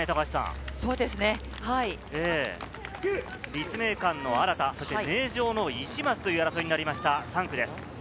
立命館の荒田、そして名城の石松という争いになりました３区です。